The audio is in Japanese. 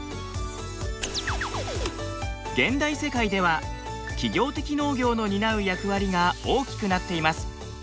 現代世界では企業的農業の担う役割が大きくなってます。